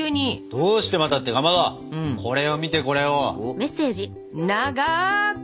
どうしてまたってかまどこれを見てこれを。